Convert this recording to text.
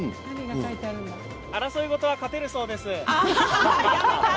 争い事は勝てるそうです。